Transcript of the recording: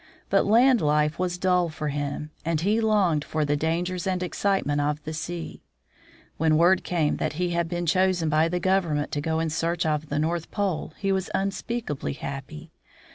But land life was dull for him, and he longed for the dangers and excitement of the sea. When word came that he had been chosen by the government to go in search of the North Pole, he was unspeakably happy.